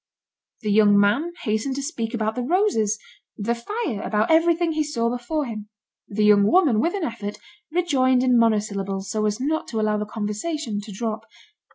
The young man hastened to speak about the roses, the fire, about everything he saw before him. The young woman, with an effort, rejoined in monosyllables, so as not to allow the conversation to drop.